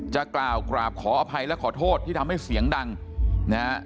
จะกล่าวกราบขออภัยและขอโทษที่ทำให้เสียงดังนะฮะ